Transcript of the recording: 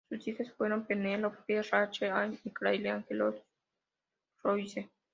Sus hijas fueron Penelope Rachel Ann y Claire Angela Louise.